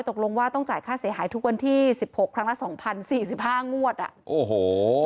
ตกลงว่าต้องจ่ายค่าเสียหายทุกวันที่๑๖ครั้งละ๒๐๐๐๔๕งวดอ่ะ